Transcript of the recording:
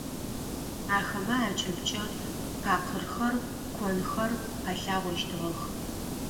Ахэмэ акӏыбкӏэ къакъырхэр, конхэр къэлъагъощтыгъэх.